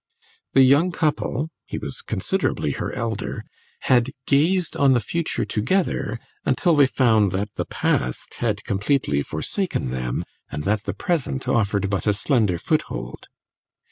The young couple (he was considerably her elder) had gazed on the future together until they found that the past had completely forsaken them and that the present offered but a slender foothold.